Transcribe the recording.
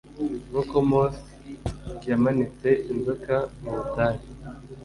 “Nkuko Mose yamanitse inzoka mu butayu